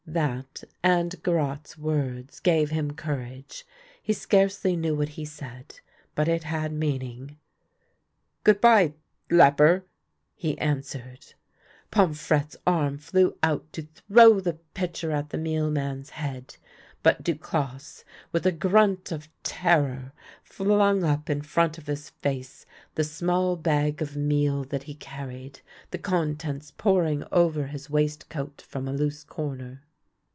That and Garotte's words gave him courage. He scarcely knew what he said, but it had meaning. " Good by — leper," he answered. Pomfrette's arm flew out to throw the pitcher at the mealman's head, but Duclosse, with a grunt of terror, flung up in front of his face the small bag of meal that he carried, the contents pouring over his waistcoat from a loose corner.